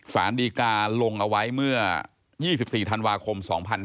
สารดีการลงเอาไว้เมื่อ๒๔ธันวาคม๒๕๕๙